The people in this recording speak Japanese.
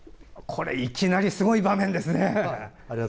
これ、いきなりすごい場面ですね。